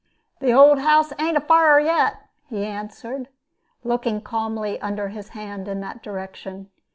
"The old house ain't afire yet," he answered, looking calmly under his hand in that direction.